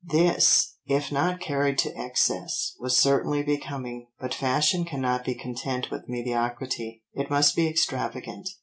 This, if not carried to excess, was certainly becoming, but fashion cannot be content with mediocrity, it must be extravagant.